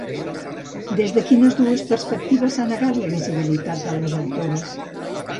Des de quines dues perspectives s'ha negat la visibilitat de les autores?